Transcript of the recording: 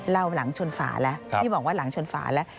เราหลังชนฝาแล้วที่บอกว่าหลังชนฝาแล้ว